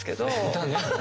歌ね。